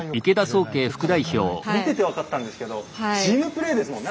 見てて分かったんですけどチームプレーですもんね。